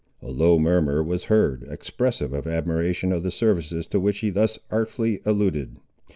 A low murmur was heard, expressive of admiration of the services to which he thus artfully alluded.